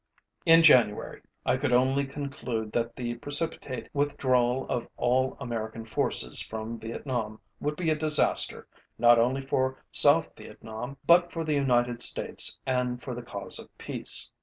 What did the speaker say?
In January I could only conclude that the precipitate withdrawal of all American forces from Vietnam would be a disaster not only for South Vietnam but for the United States and for the cause of peace.